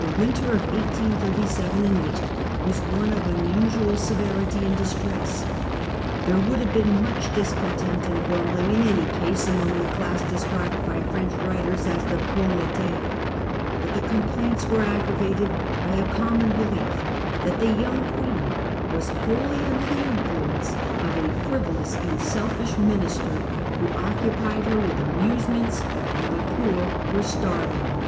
The winter of 188 7 8 was one of unusual severity and distress. There would have been much discontent and grumbling in any case among the class described by French writers as the proletaire ; but the complaints were aggravated by a common belief that the young Queen was wholly under the influence of a frivolous and selfish minister, who occupied her with amuse ments while the poor were starving.